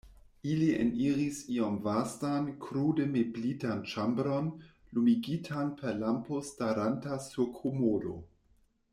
Ili eniris iom vastan, krude meblitan ĉambron, lumigitan per lampo staranta sur komodo.